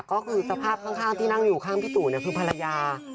ก็คือสภาพข้างที่นั่งอยู่ข้างพี่ตู่คือภรรยา